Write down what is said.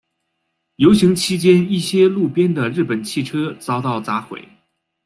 游行期间一些路边的日本汽车遭到砸毁。